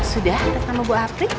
sudah kita tunggu bu aprik